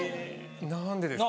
何でですかね？